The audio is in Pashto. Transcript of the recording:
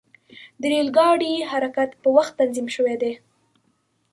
د ریل ګاډي حرکت په وخت تنظیم شوی دی.